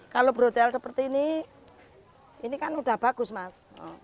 kalau brocel seperti ini ini kan sudah bagus mas